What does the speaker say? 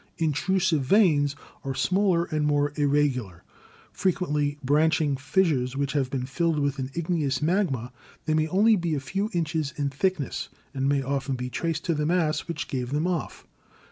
Intrusive Veins are smaller and more irregular, fre quently branching fissures which have been filled with an igneous magma; they may be only a few inches in thick ness, and may often be traced to the mass which gave them off.